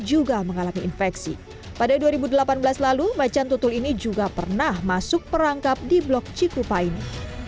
juga mengalami infeksi pada dua ribu delapan belas lalu macan tutul ini juga pernah masuk perangkap di blok cikupa ini